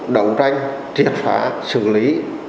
đầu tranh triển khai xử lý